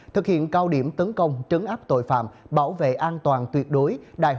thực hiện cao điểm tấn công trấn áp tội phạm bảo vệ an toàn tuyệt đối